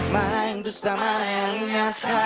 mana yang disalah yang nyata